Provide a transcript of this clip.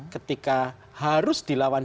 ketika harus dilawan